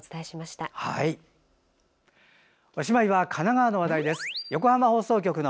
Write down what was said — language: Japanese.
おしまいは神奈川の話題です。